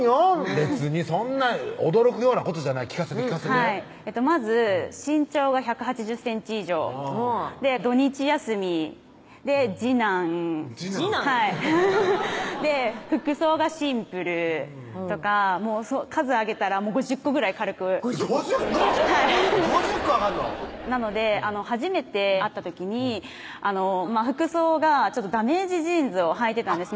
別にそんな驚くようなことじゃない聞かせて聞かせてまず身長が１８０ｃｍ以上で土日休みで次男次男で服装がシンプルとか数挙げたら５０個ぐらい軽く５０個⁉５０個挙がんのなので初めて会った時に服装がダメージジーンズをはいてたんですね